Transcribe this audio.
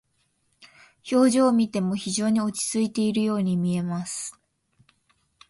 表情を見ても非常に落ち着いているように見えます。